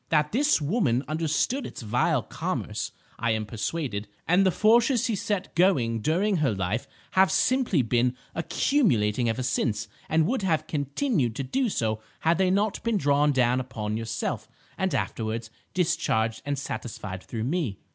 That this woman understood its vile commerce, I am persuaded, and the forces she set going during her life have simply been accumulating ever since, and would have continued to do so had they not been drawn down upon yourself, and afterwards discharged and satisfied through me.